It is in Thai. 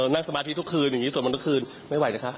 นั่งสมาธิทุกคืนอย่างนี้ส่วนวันทุกคืนไม่ไหวนะคะ